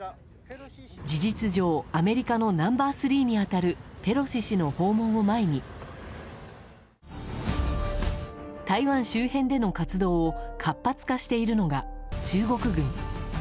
事実上アメリカのナンバー３に当たるペロシ氏の訪問を前に台湾周辺での活動を活発化しているのが中国軍。